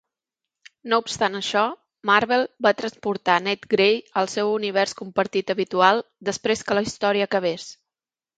No obstant això, Marvel va transportar Nate Grey al seu univers compartit habitual després que la història acabés.